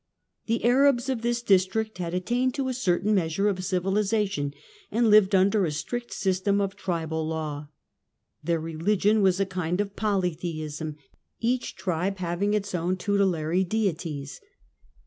/ The Arabs of this district had attained to a certain measure of civilisation, and lived under a strict system of tribal law. Their religion was a kind of polytheism, each tribe having its own tutelary deities.